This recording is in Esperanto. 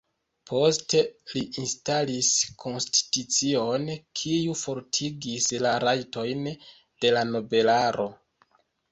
Poste li instalis konstitucion, kiu fortigis la rajtojn de la nobelaro.